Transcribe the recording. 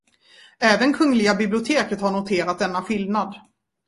Även Kungliga biblioteket har noterat denna skillnad.